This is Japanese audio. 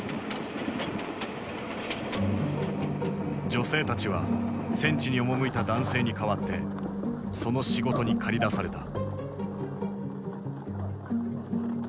女性たちは戦地に赴いた男性に代わってその仕事に駆り出された。